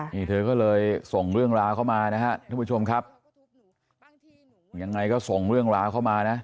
นี่เธอก็เลยส่งเรื่องราวเข้ามานะครับทุกผู้ชมครับยังไงก็ส่งเรื่องราวเข้ามานะ